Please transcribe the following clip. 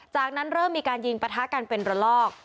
จากนั้นเริ่มมีการยิงปะทะกันเป็นระลอก